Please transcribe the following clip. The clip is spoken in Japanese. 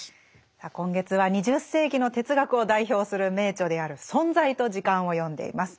さあ今月は２０世紀の哲学を代表する名著である「存在と時間」を読んでいます。